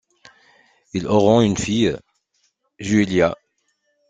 Ils auront une fille, Giulia.